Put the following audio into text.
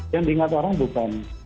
yang diingat orang bukan